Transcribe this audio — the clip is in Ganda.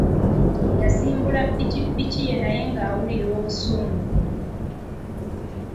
Yasimbula pikipiki ye naye nga awulira obusungu.